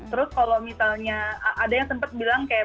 terus kalau misalnya ada yang sempat bilang kayak